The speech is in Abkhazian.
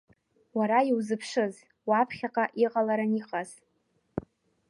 Уара иузыԥшыз, уаԥхьаҟа иҟаларан иҟаз.